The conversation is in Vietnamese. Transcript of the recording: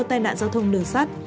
tai nạn giao thông đường sắt